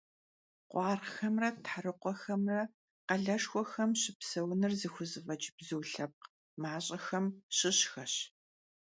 Khuarğxemre therıkhuexemre khaleşşxuexem şıpseunır zıxuzef'eç' bzu lhepkh maş'exem şışxeş.